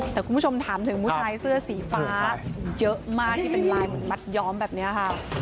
แต่คุณผู้ชมถามถึงผู้ชายเสื้อสีฟ้าเยอะมากที่เป็นลายเหมือนมัดย้อมแบบนี้ค่ะ